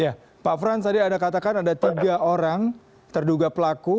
ya pak frans tadi anda katakan ada tiga orang terduga pelaku